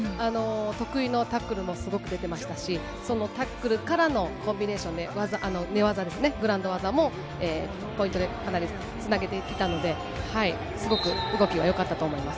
得意のタックルもすごく出てましたし、そのタックルからのコンビネーションで、寝技ですね、グラウンド技もポイントでかなりつなげていたので、すごく動きはよかったと思います。